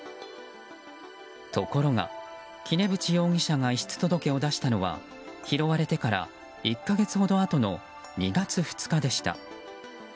ところが、杵渕容疑者が遺失届を出したのは拾われてから１か月ほどあと２月２日でした。